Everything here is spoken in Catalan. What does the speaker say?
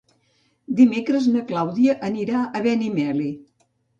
Dimecres na Clàudia anirà a Benimeli.